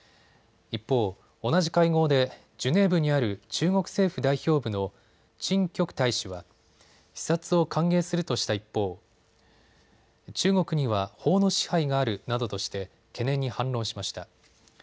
一方、同じ会合でジュネーブにある中国政府代表部の陳旭大使は視察を歓迎するとした一方、中国には法の支配があるなどとして懸念に反論しました。